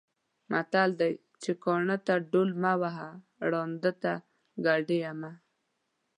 متل دی چې: کاڼۀ ته ډول مه وهه، ړانده ته ګډېږه مه.